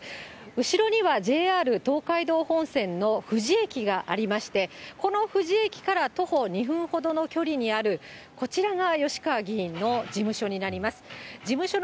後ろにはＪＲ東海道本線の富士駅がありまして、この富士駅から徒歩２分ほどの距離にある、こちらが吉川議員の事務所になります。